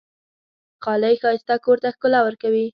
غالۍ ښایسته کور ته ښکلا ورکوي.